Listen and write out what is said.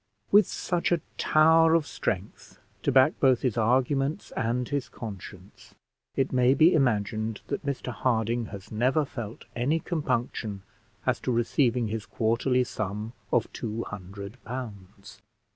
With such a tower of strength to back both his arguments and his conscience, it may be imagined that Mr Harding has never felt any compunction as to receiving his quarterly sum of two hundred pounds.